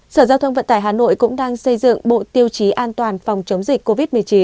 sở giao thông vận tải hà nội cũng đang xây dựng bộ tiêu chí an toàn phòng chống dịch covid một mươi chín